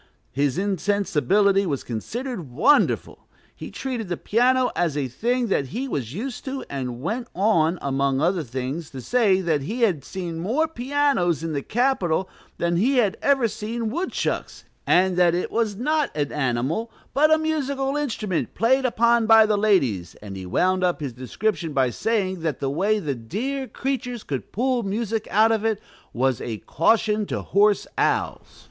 His insensibility was considered wonderful. He treated the piano as a thing that he was used to, and went on, among other things, to say that he had seen more pianos in the "Capitol," than he had ever seen woodchucks, and that it was not an animal, but a musical instrument played upon by the ladies; and he wound up his description by saying that the way "the dear creatures could pull music out of it was a caution to hoarse owls."